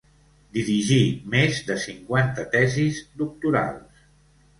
Dirigí més de cinquanta tesis doctorals.